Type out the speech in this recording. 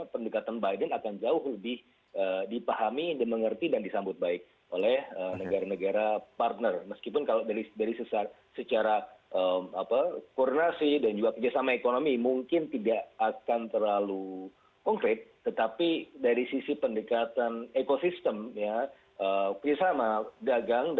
pertanyaan dari pertanyaan pertanyaan pertanyaan